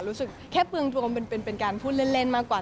รู้สึกแค่เปลืองตัวมันเป็นการพูดเล่นมากกว่า